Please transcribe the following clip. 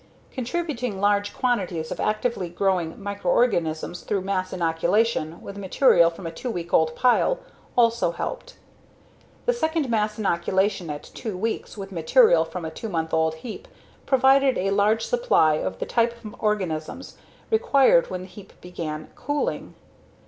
Contributing large quantities of actively growing microorganisms through mass inoculation with material from a two week old pile also helped. The second mass inoculation at two weeks, with material from a month old heap provided a large supply of the type of organisms required when the heap began cooling.